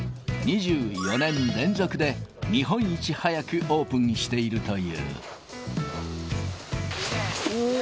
２４年連続で日本一早くオープンしているという。